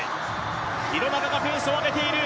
廣中がペースを上げている。